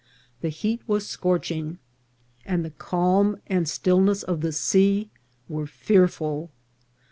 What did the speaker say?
The heat was scorching, and the calm and stillness of the sea were fearful.